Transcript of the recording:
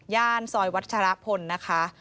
ซอยวัชรพลนะคะ